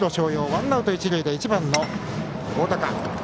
ワンアウト一塁で１番の大高。